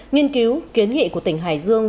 nghiên cứu kiến nghị của tỉnh hải dương